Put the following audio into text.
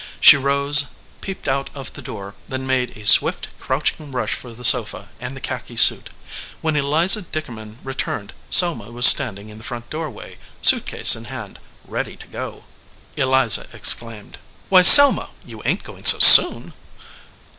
She rose, peeped out of the door, then made a swift, crouching rush for the sofa and the khaki suit. When Eliza Dickerman returned Selma was standing in the front doorway, suit case in hand, ready to go. Eliza exclaimed, "Why, Selma, you ain t going so soon